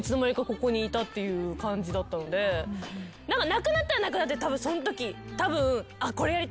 なくなったらなくなったでたぶんそのとき。